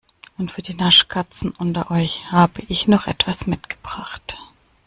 Und für die Naschkatzen unter euch habe ich noch was mitgebracht.